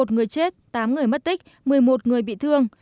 một mươi một người chết tám người mất tích một mươi một người bị thương